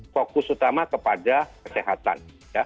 fokus utama kepada kesehatan